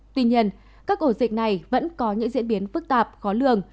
tuy nhiên các ổ dịch này vẫn có những diễn biến phức tạp khó lường